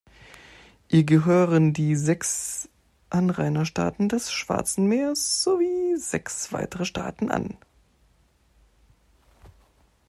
Ihr gehören die sechs Anrainerstaaten des Schwarzen Meeres sowie sechs weitere Staaten an.